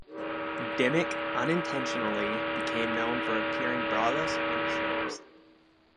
Dimmock unintentionally became known for appearing braless on shows.